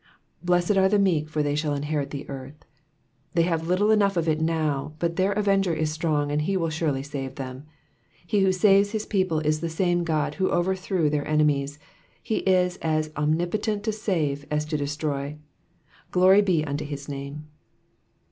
Blessed are the meek, for they shall inherit the earth.'' They have little enough of it now, but their avenger is strong and he will surely save them. He who saves his people is the same God who overthrew their enemies ; he is as omnipotent to save as to destroy. Glory be unto his name.